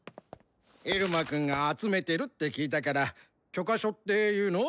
イルマくんが集めてるって聞いたから許可書っていうの？